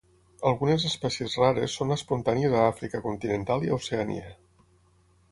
Algunes espècies rares són espontànies a Àfrica continental i a Oceania.